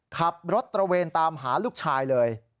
ขับรถตระเวนตามหาลูกชายเลย